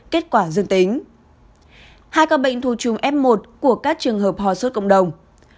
kết quả dương tính hai ca bệnh thuộc chùm f một của các trường hợp hòa suốt cộng đồng